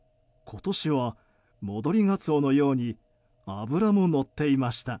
今年は戻りガツオのように脂ものっていました。